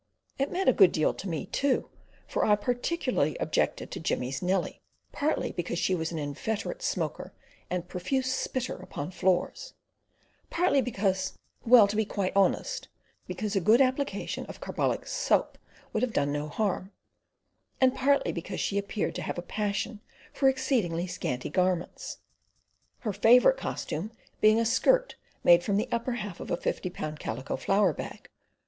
It meant a good deal to me, too, for I particularly objected to Jimmy's Nellie partly because she was an inveterate smoker and a profuse spitter upon floors; partly because—well to be quite honest—because a good application of carbolic soap would have done no harm; and partly because she appeared to have a passion for exceedingly scanty garments, her favourite costume being a skirt made from the upper half of a fifty pound calico flour bag.